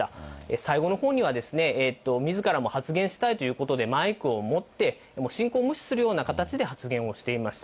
最後のほうにはですね、みずからも発言したいということで、マイクを持って、もう進行を無視するような形で発言をしていました。